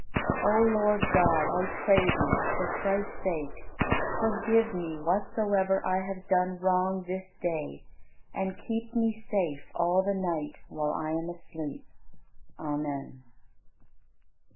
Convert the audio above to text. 36. O Lord God, I pray Thee, for Christ's sake, forgive me whatsoever I have done wrong this day and keep me safe all the night while I am asleep. Amen.